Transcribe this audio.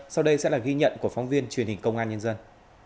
sau đây sẽ là ghi nhận của phóng viên truyền hình công an nhân dân